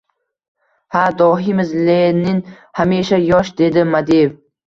— Ha, dohiymiz Lenin hamisha yosh! — dedi Madiev.